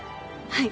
はい。